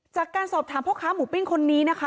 จากการสอบถามพ่อค้าหมูปิ้งคนนี้นะคะ